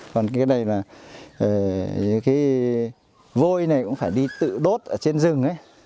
còn cái này là cái vôi này cũng phải đi tự đốt ở trên rừng ấy